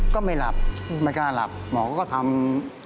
ก็ไม่หลับไม่กล้าหลับหมอก็ทำ